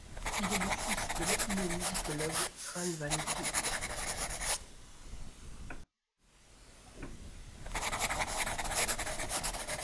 Il est le fils de l'ethnomusicologue Trâǹ Văn Khê.